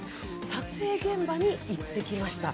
撮影現場に行ってきました。